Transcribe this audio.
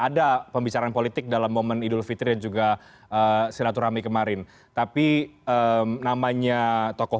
ada pembicaraan politik dalam momen idul fitri dan juga silaturahmi kemarin tapi namanya tokoh